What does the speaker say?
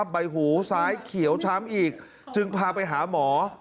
ใบหูซ้ายเขียวช้ำอีกจึงพาไปหาหมอ